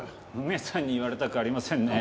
梅さんに言われたくありませんね。